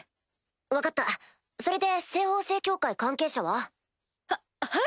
分かったそれで西方聖教会関係者は？ははい！